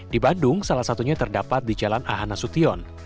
di bandung salah satunya terdapat di jalan ahanasution